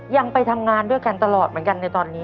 ยังไปทำงานด้วยกันตลอดเหมือนกันในตอนนี้